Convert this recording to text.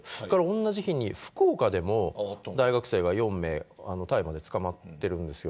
同じ日に福岡でも大学生が４名大麻で捕まってるんです。